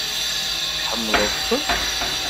Tḥemmleḍ-ten?